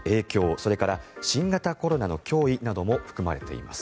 それから新型コロナの脅威なども含まれています。